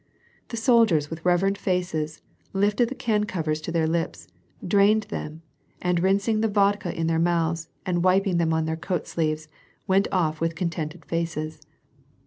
The soldiers with reverent faces, lifted the can covers to their lips, drained them and rinsing the vodka in their mouths and wiping them on their coat sleeves, went off with contented faces.